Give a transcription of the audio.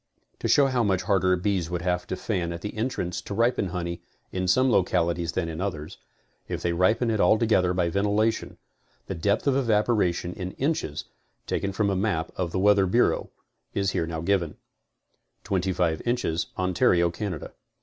To show how much harder bees would have to fan at the en trance to ripen honey in some localities than in others, if they ripened it altogether by ventilation, the depth of evaporation in inches, taken from a map of the Weather Bureau, is here given: 25 inches, Ontario, Canada.